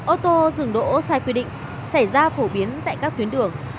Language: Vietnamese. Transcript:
ô tô dừng đỗ sai quy định xảy ra phổ biến tại các tuyến đường